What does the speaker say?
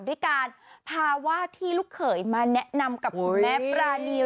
ด้วยการพาวาดที่ลูกเขยมาแนะนำกับคุณแม่ปรานี